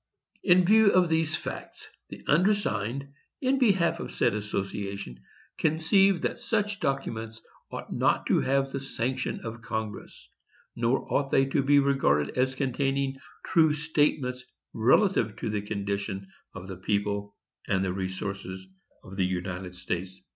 "In view of these facts, the undersigned, in behalf of said Association, conceive that such documents ought not to have the sanction of Congress, nor ought they to be regarded as containing true statements relative to the condition of the people and the resources of the United States.